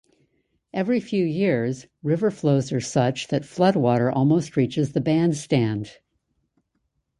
Every few years, river flows are such that flood water almost reaches the Bandstand.